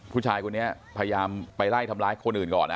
ผู้ชายคนนี้พยายามไปไล่ทำร้ายคนอื่นก่อน